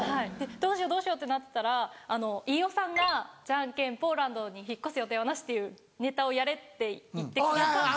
どうしようどうしようってなってたら飯尾さんが「ジャンケンポーランドに引っ越す予定はなし」っていうネタをやれって言ってくださって。